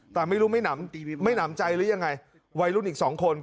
แต่ไม่รู้ไม่หนำใจหรือยังไงวัยรุ่นอีกสองคน